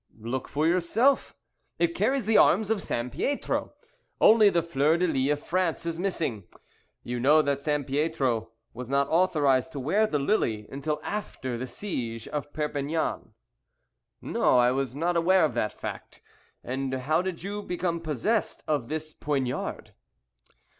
"Look for yourself. It carries the arms of Sampietro only the fleur de lis of France is missing. You know that Sampietro was not authorized to wear the lily until after the siege of Perpignan." "No, I was not aware of that fact. And how did you become possessed of this poignard?"